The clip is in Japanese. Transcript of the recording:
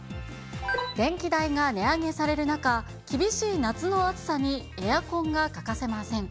電気代が値上げされる中、厳しい夏の暑さにエアコンが欠かせません。